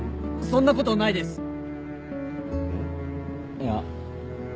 いや